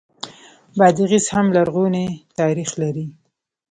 بادغیس هم لرغونی تاریخ لري